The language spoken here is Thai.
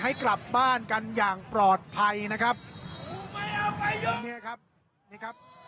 ให้กลับบ้านกันอย่างปลอดภัยนะครับเนี่ยครับนี่ครับ